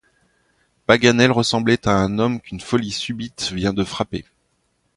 Paganel ressemblait à un homme qu’une folie subite vient de frapper.